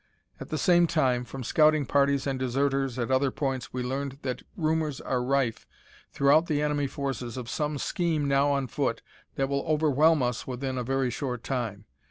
At the same time, from scouting parties and deserters at other points we learned that rumors are rife throughout the enemy forces of some scheme now on foot that will overwhelm us within a very short time.